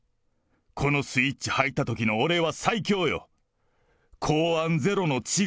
このスイッチ入ったときの俺は最強よ。